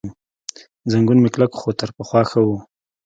زنګون مې کلک، خو تر پخوا ښه و.